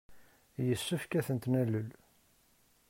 Yessefk ad tent-nalel.